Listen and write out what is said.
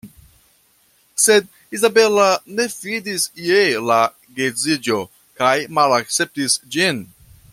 Sed Izabela ne fidis je la geedziĝo kaj malakceptis ĝin.